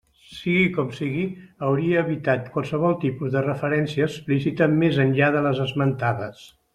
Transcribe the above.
Sigui com sigui, hauria evitat qualsevol tipus de referència explícita més enllà de les esmentades.